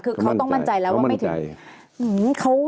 คือเขาต้องมั่นใจแล้วว่าไม่ถึง